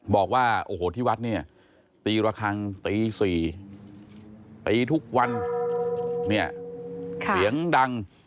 บอกว่าโอ้โหที่วัดเนี่ยตีระคังตี๔ตีทุกวันเนี่ยเสียงดัง